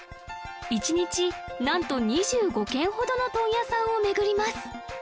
１日なんと２５軒ほどの問屋さんを巡ります